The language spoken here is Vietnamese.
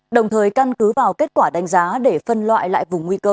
đồng thời căn cứ vào kết quả đánh giá để phân loại lại vùng nguy cơ